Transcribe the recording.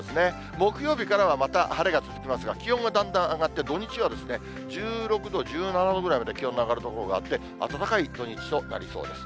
木曜日からはまた晴れが続きますが、気温がだんだん上がって、土日は１６度、１７度ぐらいまで気温の上がる所があって、暖かい土日となりそうです。